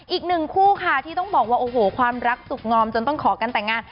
อีกหนึ่งคู่ค่ะที่ต้องบอกว่าโอ้โหความรักสุขงอมจนต้องขอกันแต่งงาน